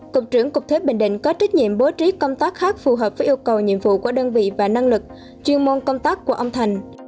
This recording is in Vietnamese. cục trưởng cục thế bình định có trách nhiệm bố trí công tác khác phù hợp với yêu cầu nhiệm vụ của đơn vị và năng lực chuyên môn công tác của âm thành